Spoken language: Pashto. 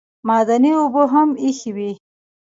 معدني اوبه هم ایښې وې.